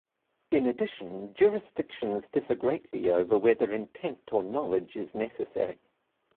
In addition, jurisdictions differ greatly over whether intent or knowledge is necessary.